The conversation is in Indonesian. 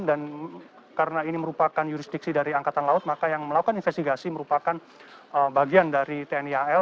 dan karena ini merupakan jurisdiksi dari angkatan laut maka yang melakukan investigasi merupakan bagian dari tni al